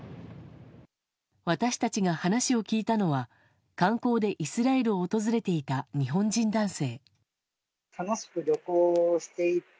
私たちが話を聞いたのは観光でイスラエルを訪れていた日本人男性。